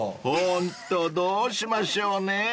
［ホントどうしましょうね］